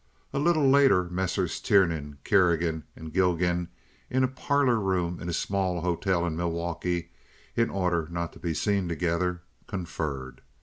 A little later Messrs. Tiernan, Kerrigan, and Gilgan, in a parlor room in a small hotel in Milwaukee (in order not to be seen together), conferred.